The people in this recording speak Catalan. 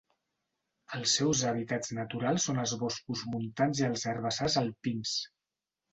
Els seus hàbitats naturals són els boscos montans i els herbassars alpins.